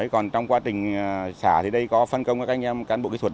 còn trong quá trình xả thì đây có phân công các anh em cán bộ kỹ thuật